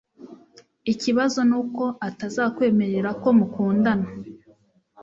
ikibazo ni ukoatazakwemerera ko mukundana